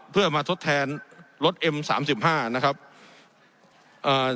เพื่อมาทดแทนรถเอ็มสามสิบห้านะครับเอ่อ